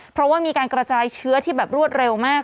เพราะว่ามีการกระจายเชื้อที่แบบรวดเร็วมาก